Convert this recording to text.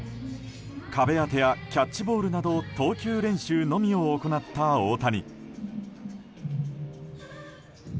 壁当てやキャッチボールなど投球練習のみを行った大谷。